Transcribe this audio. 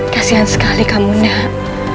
kasihan sekali kamu nak